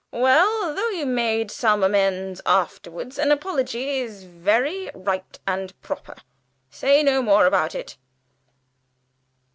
Well, though you made some amends afterwards, an apology is very right and proper. Say no more about it."